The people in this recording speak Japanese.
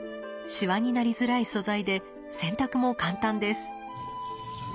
シワになりづらい素材で洗濯も簡単です。